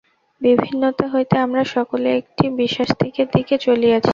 বিভিন্নতা হইতে আমরা সকলে একটি বিশ্বাস্তিত্বের দিকে চলিয়াছি।